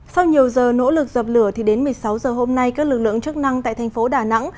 sau nhiều giờ nỗ lực dập lửa thì đến một mươi sáu giờ hôm nay các lực lượng chức năng tại thành phố đà nẵng